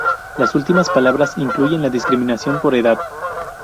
Las últimas palabras incluyen la discriminación por edad.